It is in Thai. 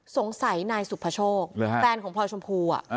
สงสัยนายสุภโชคแฟนของพลอยชมพู